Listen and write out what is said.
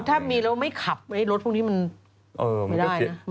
ถ้ามีแล้วไม่ขับรถพวกนี้มันไม่ได้นะ